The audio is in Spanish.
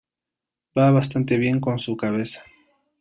Va bastante bien con su cabeza.